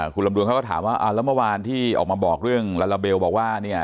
คุณลำดวนเขาก็ถามว่าแล้วเมื่อวานที่ออกมาบอกเรื่องลาลาเบลบอกว่าเนี่ย